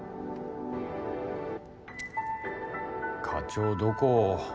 課長どこ？